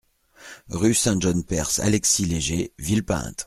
Rue Saint-John Perse Alexis Léger, Villepinte